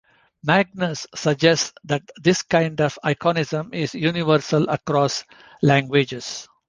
Magnus suggests that this kind of iconism is universal across languages.